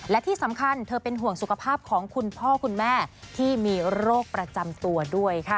และที่สำคัญเธอเป็นห่วงสุขภาพของคุณพ่อคุณแม่ที่มีโรคประจำตัวด้วยค่ะ